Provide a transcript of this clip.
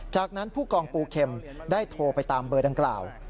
จากนั้นผู้กองปูเข็มได้โทรไปตามเบอร์ดังกล่าว